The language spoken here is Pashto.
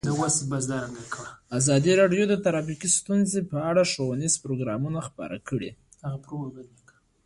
ازادي راډیو د ټرافیکي ستونزې په اړه ښوونیز پروګرامونه خپاره کړي.